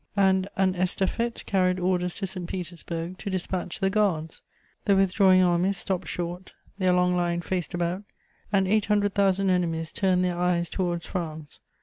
And an estafette carried orders to St. Petersburg to dispatch the Guards. The withdrawing armies stopped short; their long line faced about, and eight hundred thousand enemies turned their eyes towards France.